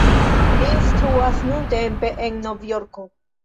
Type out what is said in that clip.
Li instruas nuntempe en Novjorko.